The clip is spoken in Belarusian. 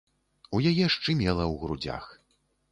У яе шчымела ў грудзях.